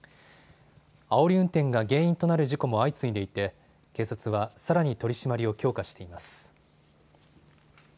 あおり運転が原因となる事故も相次いでいて警察はさらに取締りを強化しています。